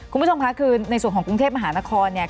คุณผู้ชมค่ะคือในส่วนของกรุงเทพมหานครเนี่ย